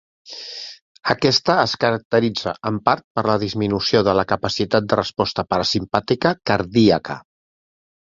Aquesta es caracteritza, en part, per la disminució de la capacitat de resposta parasimpàtica cardíaca.